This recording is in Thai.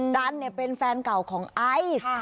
จันทร์เป็นแฟนเก่าของไอซ์